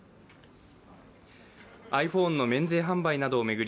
ｉＰｈｏｎｅの免税販売などを巡り